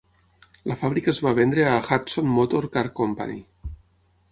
La fàbrica es va vendre a Hudson Motor Car Company.